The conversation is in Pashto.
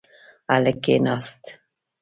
هلک کښېناست.